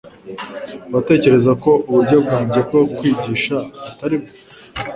Uratekereza ko uburyo bwanjye bwo kwigisha atari bwo?